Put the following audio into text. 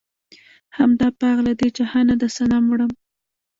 هم دا داغ لۀ دې جهانه د صنم وړم